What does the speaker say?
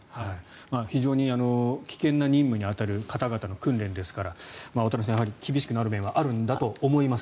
非常に危険な任務に当たる方々の訓練ですから渡部さん、やはり厳しくなる面はあるんだと思います。